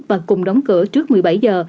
và cùng đóng cửa trước một mươi bảy h